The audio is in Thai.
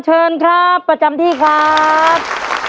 เชิญครับประจำที่ครับ